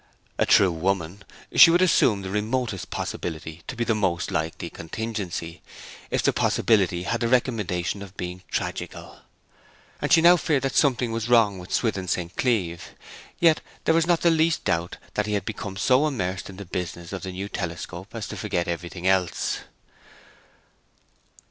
A true woman, she would assume the remotest possibility to be the most likely contingency, if the possibility had the recommendation of being tragical; and she now feared that something was wrong with Swithin St. Cleeve. Yet there was not the least doubt that he had become so immersed in the business of the new telescope as to forget everything else.